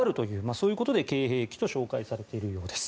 そういうことでＫ‐兵器と紹介されているようです。